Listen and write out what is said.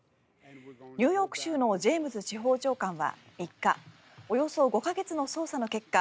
ニューヨーク州のジェームズ司法長官は３日およそ５か月の捜査の結果